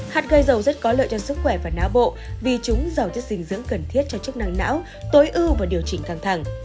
hạt gây dầu rất có lợi cho sức khỏe và não bộ vì chúng giàu chất dinh dưỡng cần thiết cho chức năng não tối ưu và điều chỉnh căng thẳng